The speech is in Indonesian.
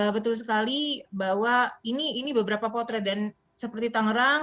betul sekali bahwa ini beberapa potret dan seperti tangerang